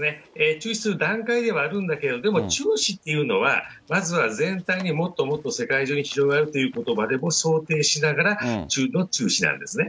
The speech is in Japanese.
注視する段階ではあるんだけれど、でも注視というのは、まずは全体にもっともっと世界中に広がるということまでも想定しながらの注視なんですね。